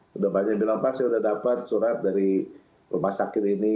sudah banyak bilang pak saya sudah dapat surat dari rumah sakit ini